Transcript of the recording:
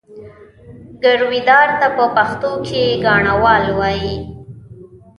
ګرويدار ته په پښتو کې ګاڼهوال وایي.